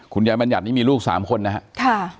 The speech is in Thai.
คุณยายมัณยัดนี้มีลูกสามคนนะครับ